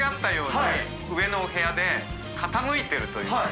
上のお部屋で傾いているという。